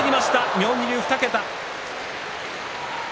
妙義龍、２桁。